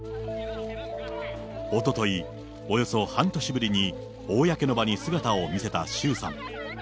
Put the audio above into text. おととい、およそ半年ぶりに公の場に姿を見せた周さん。